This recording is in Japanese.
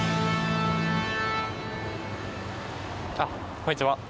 こんにちは。